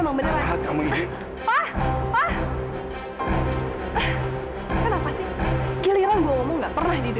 om gak mau melihat kamu itu sakit sama orang ini